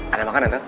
ada makanan tuh